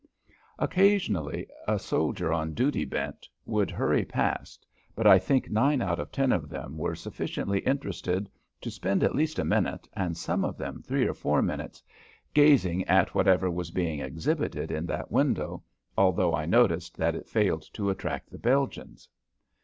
Occasionally a soldier on duty bent would hurry past, but I think nine out of ten of them were sufficiently interested to spend at least a minute, and some of them three or four minutes, gazing at whatever was being exhibited in that window, although I noticed that it failed to attract the Belgians.